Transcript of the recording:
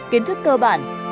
kiến thức cơ bản